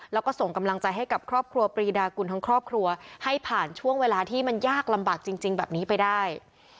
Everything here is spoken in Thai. แล้วก็ส่งกำลังใจให้กับครอบครัวปรีดากุลทั้งครอบครัวให้ผ่านช่วงเวลาที่มันยากลำบากจริงแบบนี้ไปได้